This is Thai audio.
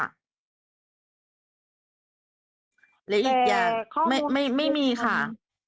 และอีกอย่างไม่มีค่ะ